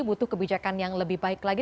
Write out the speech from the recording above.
butuh kebijakan yang lebih baik lagi